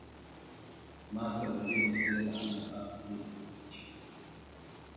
ما سره د دې مسئلې د حل لپاره خپلې تجربې شریکي کړئ